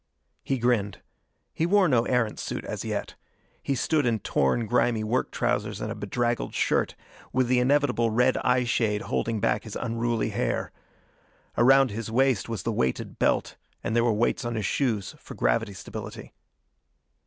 He grinned. He wore no Erentz suit as yet. He stood in torn grimy work trousers and a bedraggled shirt, with the inevitable red eyeshade holding back his unruly hair. Around his waist was the weighted belt and there were weights on his shoes for gravity stability.